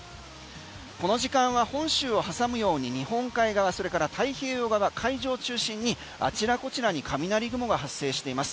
この時間は本州を挟むように日本海側それから太平洋側海上を中心にあちらこちらにカミナリ雲が発生しています。